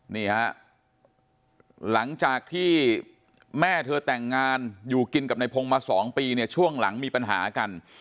นี่ฮะหลังจากที่แม่เธอแต่งงานอยู่กินกับในพงศ์มา๒ปีเนี่ยช่วงหลังมีปัญหากัน